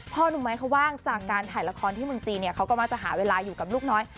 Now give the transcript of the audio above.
หนุ่มไม้เขาว่างจากการถ่ายละครที่เมืองจีนเนี่ยเขาก็มักจะหาเวลาอยู่กับลูกน้อย